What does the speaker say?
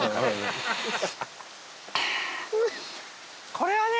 これはね